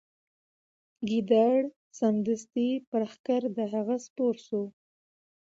ګیدړ سمدستي پر ښکر د هغه سپور سو